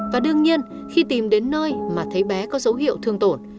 và đương nhiên khi tìm đến nơi mà thấy bé có dấu hiệu thương tổn